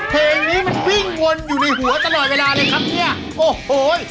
เพลงนี้มันวิ่งวนอยู่ในหัวตลอดเวลาเลยครับเนี่ยโอ้โห